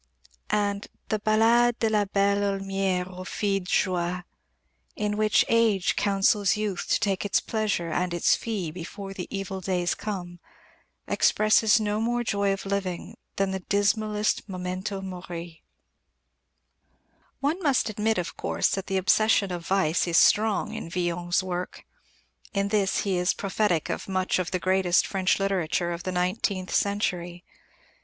And the Ballade de la Belle Heaulmière aux Filles de Joie, in which Age counsels Youth to take its pleasure and its fee before the evil days come, expresses no more joy of living than the dismallest memento mori. One must admit, of course, that the obsession of vice is strong in Villon's work. In this he is prophetic of much of the greatest French literature of the nineteenth century.